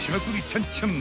チャンチャン］